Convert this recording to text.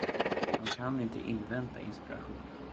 Man kan inte invänta inspiration.